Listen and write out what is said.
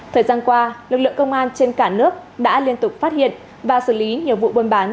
thời gian qua lực lượng công an trên cả nước đã liên tục phát hiện và xử lý nhiều vụ buôn bán